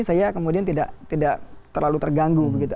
saya kemudian tidak terlalu terganggu begitu